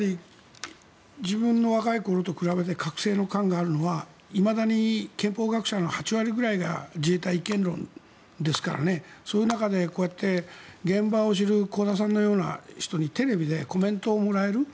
自分の若いころと比べていまだに憲法学者の８割ぐらいが自衛隊違憲論ですからそういう中で、こうやって現場を知る香田さんのような人にテレビでコメントをもらえる。